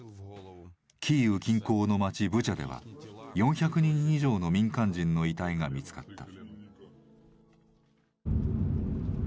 キーウ近郊の街ブチャでは４００人以上の民間人の遺体が見つかった。